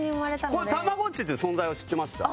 これたまごっちっていう存在は知ってました？